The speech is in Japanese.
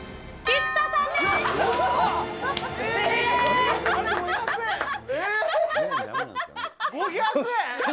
菊田さんです。